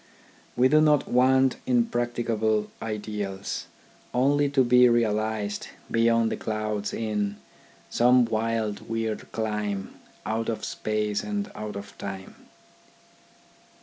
We do not want impracticable ideals, only to be realised beyond the clouds in " Some wild, weird clime, Out of Space, and out of Time."